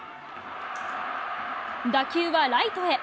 打球はライトへ。